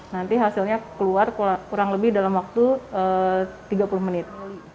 nanti hasilnya keluar kurang lebih dalam waktu tiga puluh menit